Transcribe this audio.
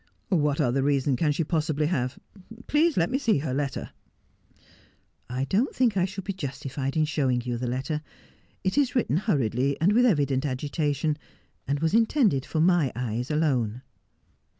' What other reason can she possibly have ? Please let me see her letter.' ' I don't think I should be justified in showing you the letter. It is written hurriedly, and with evident agitation, and was in tended for my eye alone.'